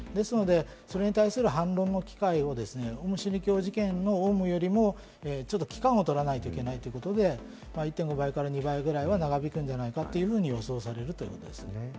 それに対する反論の機会をオウム真理教事件よりも期間を取らないといけないということで、１．５倍から２倍ぐらい長引くんじゃないかというふうに予想されるということです。